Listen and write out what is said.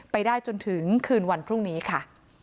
ไปได้จนถึงคืนวันพรุ่งนี้ค่ะ